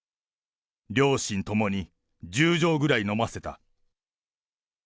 両親ともに１０錠ぐらい飲ませた。